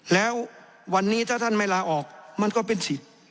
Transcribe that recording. แล้ววันนี้ถ้าท่านไม่ลาออกมันก็เป็นสิทธิ์